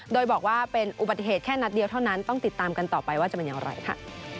โดยบอกว่าเป็นอุบัติเหตุแค่นัดเดียวเท่านั้นต้องติดตามกันต่อไปว่าจะเป็นอย่างไรค่ะ